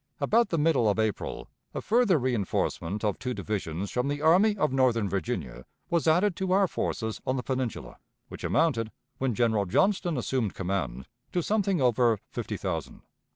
About the middle of April a further reënforcement of two divisions from the Army of Northern Virginia was added to our forces on the Peninsula, which amounted, when General Johnston assumed command, to something over fifty thousand.